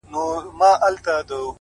لوړ فکر لوی بدلونونه زېږوي’